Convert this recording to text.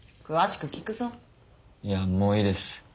いやもういいです。